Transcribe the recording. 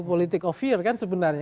politik of fear kan sebenarnya